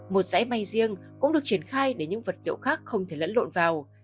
một dãy mây riêng cũng được triển khai để những vật liệu khác không thể lẫn lộn vào